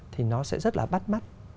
thì nó sẽ rất là bắt mắt